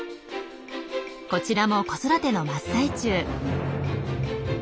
こちらも子育ての真っ最中。